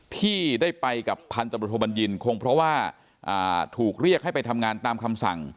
ที่ได้ไปกับพันธบทโทบัญญินคงเพราะว่าถูกเรียกให้ไปทำงานตามคำสั่ง